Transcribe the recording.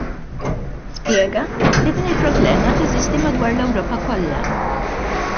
Spjega li din il-problema teżisti madwar l-Ewropa kollha.